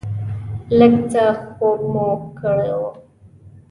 لږ څه خوب مو کړی و.